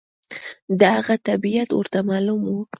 د هغه طبیعت ورته معلوم و.